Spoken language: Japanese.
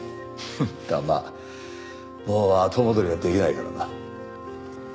フッただまあもう後戻りはできないからな。